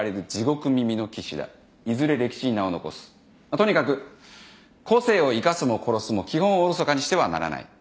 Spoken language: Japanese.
とにかく個性を生かすも殺すも基本をおろそかにしてはならない。